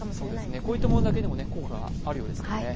こういったものだけでも効果があるようですからね。